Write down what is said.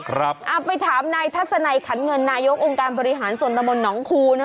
เอาไปถามนายทัศนัยขันเงินนายกองค์การบริหารส่วนตะบนหนองคูนะ